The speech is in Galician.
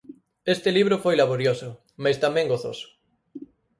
Este libro foi laborioso, mais tamén gozoso.